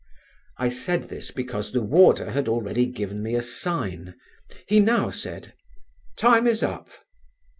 I said this because the warder had already given me a sign; he now said: "Time is up."